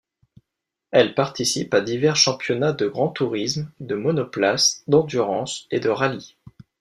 Elle participe à divers championnats de Grand Tourisme, de Monoplace, d'Endurance et de Rallye.